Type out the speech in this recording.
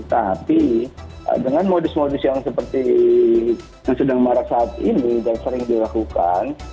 tapi dengan modus modus yang seperti yang sedang marak saat ini dan sering dilakukan